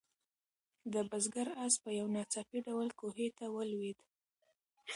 د بزګر آس په یو ناڅاپي ډول کوهي ته ولوېد.